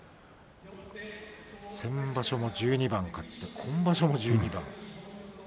先場所も１２番勝って今場所も１２番。